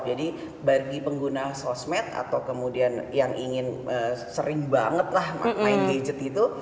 jadi bagi pengguna sosmed atau kemudian yang ingin sering banget lah main gadget itu